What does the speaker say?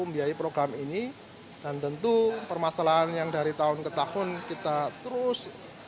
membiayai program ini dan tentu permasalahan yang dari tahun ke tahun kita terus